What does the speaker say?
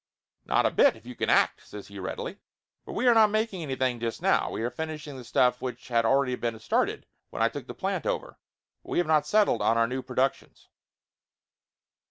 "Not a bit, if you can act !" says he readily. "But we are not making anything just now. We are finish ing the stuff which had already been started when I took the plant over, but we have not settled on our new productions."